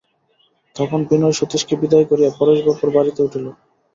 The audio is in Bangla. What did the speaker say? তখন বিনয় সতীশকে বিদায় করিয়া পরেশবাবুর বাড়িতে উঠিল।